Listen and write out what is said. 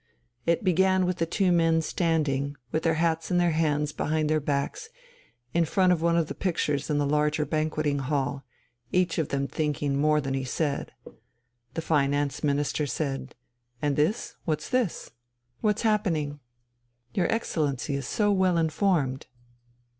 It began with the two men standing, with their hats in their hands behind their backs, in front of one of the pictures in the larger banqueting hall, each of them thinking more than he said. The Finance Minister said: "And this? What's this? What's happening? Your Excellency is so well informed."